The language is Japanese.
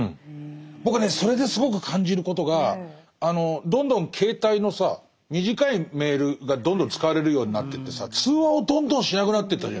僕はねそれですごく感じることがどんどん携帯のさ短いメールがどんどん使われるようになってってさ通話をどんどんしなくなってったじゃない。